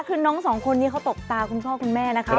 คือน้องสองคนนี้เขาตบตาคุณพ่อคุณแม่นะคะ